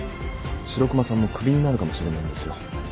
白熊さんもクビになるかもしれないんですよ。